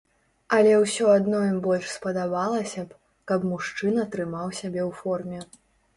Але ўсё адно ім больш спадабалася б, каб мужчына трымаў сябе ў форме.